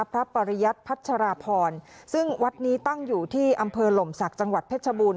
ปริยัติพัชราพรซึ่งวัดนี้ตั้งอยู่ที่อำเภอหล่มศักดิ์จังหวัดเพชรบูรณ